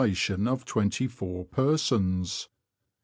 175 I of twenty four persons.